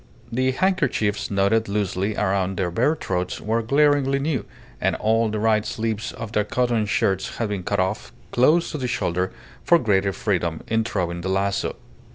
The handkerchiefs knotted loosely around their bare throats were glaringly new, and all the right sleeves of their cotton shirts had been cut off close to the shoulder for greater freedom in throwing the lazo.